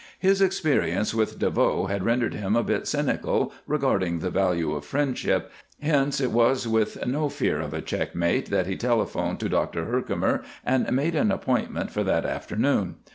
His experience with DeVoe had rendered him a bit cynical regarding the value of friendship, hence it was with no fear of a checkmate that he telephoned to Dr. Herkimer and made an appointment for that afternoon.